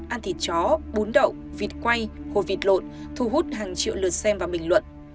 ăn thịt chó bún đậu vịt quay hồ vịt lộn thu hút hàng triệu lượt xem và bình luận